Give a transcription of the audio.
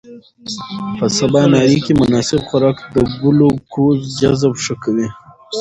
په سباناري کې مناسب خوراک د ګلوکوز جذب ښه کوي.